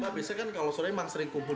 biasanya kan kalau sore emang sering kumpul